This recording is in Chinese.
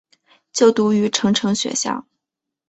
就读过成城学校。